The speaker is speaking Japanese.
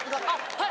はい！